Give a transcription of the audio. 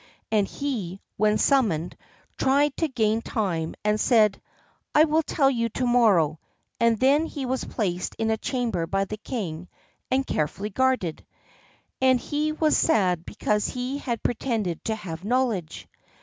And he, when summoned, tried to gain time, and said, "I will tell you to morrow," and then he was placed in a chamber by the king and carefully guarded. And he was sad because he had pretended to have knowledge.